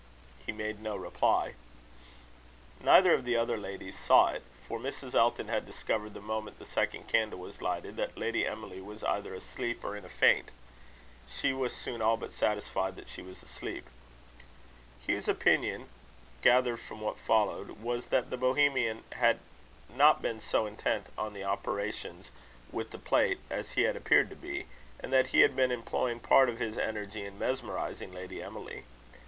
He made no reply Neither of the other ladies saw it; for Mrs. Elton had discovered, the moment the second candle was lighted, that Lady Emily was either asleep or in a faint. She was soon all but satisfied that she was asleep. Hugh's opinion, gathered from what followed, was, that the Bohemian had not been so intent on the operations with the plate, as he had appeared to be; and that he had been employing part of his energy in mesmerising Lady Emily.